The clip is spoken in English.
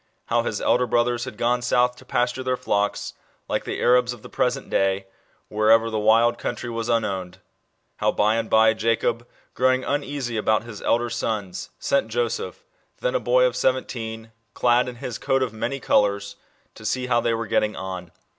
How his older brothers had gone south to pasture their flocks, like the Arabs of the present day, wherever the wild country was unowned. How by end by Jacob, growing uneasy about his elder sons, sen*; Joseph, then a boy of seventeen, clad 'in his coat of many colours, to see how they were getting on.